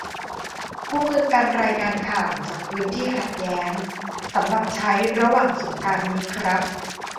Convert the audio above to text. คู่มือการรายงานข่าวจากพื้นที่ขัดแย้ง - สำหรับใช้ระหว่างสงกรานต์นี้ครับ